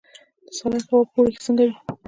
د سالنګ هوا په اوړي کې څنګه وي؟